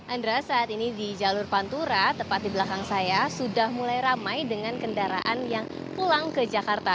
andra saat ini di jalur pantura tepat di belakang saya sudah mulai ramai dengan kendaraan yang pulang ke jakarta